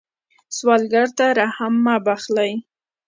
سوالګر ته رحم مه بخلئ